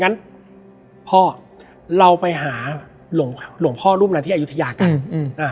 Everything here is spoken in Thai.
งั้นพ่อเราไปหาหลวงพ่อรุ่นนั้นที่อยุธยากัน